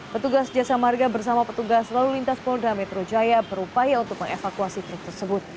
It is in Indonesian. petugas jasa marga bersama petugas lalu lintas polda metro jaya berupaya untuk mengevakuasi truk tersebut